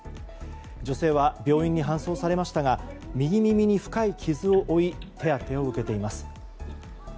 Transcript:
女性は病院に搬送されましたが右耳に深い傷を負い手当てを受けています。